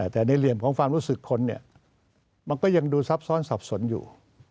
แต่ในเหลี่ยมของความรู้สึกคนเนี่ยมันก็ยังดูซับซ้อนสับสนอยู่